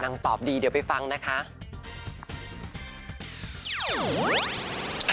ตอบดีเดี๋ยวไปฟังนะคะ